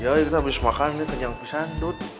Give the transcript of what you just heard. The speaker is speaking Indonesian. ya kita habis makan nih kenyang pisang dud